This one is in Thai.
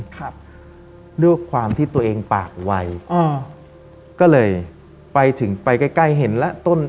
ครับด้วยความที่ตัวเองปากไวอ๋อก็เลยไปถึงไปใกล้ใกล้เห็นแล้วต้น